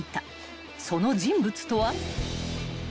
［その人物とは］